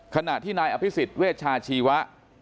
ขณะที่นายอภิษฎเวชาชีวะ